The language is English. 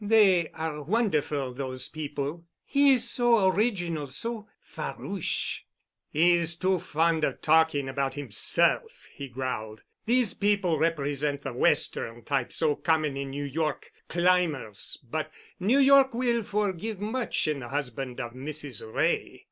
"They are wonderful, those people. He is so original—so farouche." "He's too fond of talking about himself," he growled. "These people represent the Western type so common in New York—climbers—but New York will forgive much in the husband of Mrs. Wray."